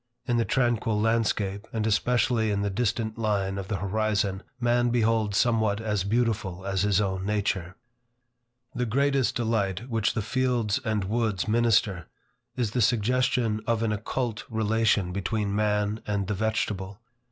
In the tranquil landscape, and especially in the distant line of the horizon, man beholds somewhat as beautiful as his own nature. The greatest delight which the fields and woods minister, is the suggestion of an occult relation between man and the vegetable.